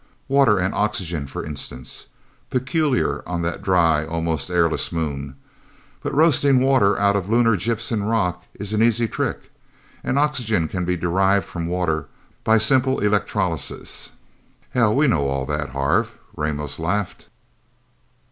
Water and oxygen, for instance. Peculiar, on the dry, almost airless Moon. But roasting water out of lunar gypsum rock is an easy trick. And oxygen can be derived from water by simple electrolysis." "Hell, we know all that, Harv," Ramos laughed.